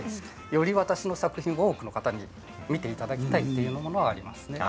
より私の作品を多くの方に見ていただきたいということがあります。